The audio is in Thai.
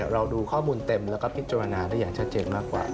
เราดูข้อมูลเต็มแล้วก็พิจารณาได้อย่างชัดเจนมากกว่า